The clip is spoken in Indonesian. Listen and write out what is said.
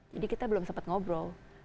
kita belum sempat ngobrol